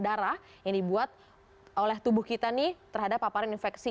darah yang dibuat oleh tubuh kita nih terhadap paparan infeksi